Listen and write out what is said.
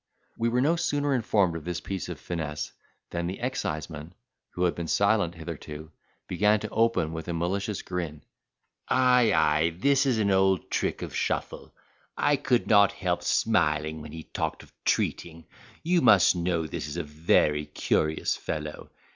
We were no sooner informed of this piece of finesse, than the exciseman, who had been silent hitherto, began to open with a malicious grin: "Ay, ay this is an old trick of Shuffle; I could not help smiling when he talked of treating. You must know this is a very curious fellow.